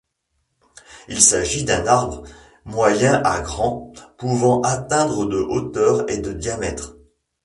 Il s'agit d'un arbre, moyen à grand, pouvant atteindre de hauteur et de diamètre.